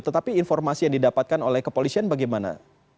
tetapi informasi yang didapatkan oleh kepolisian bagaimana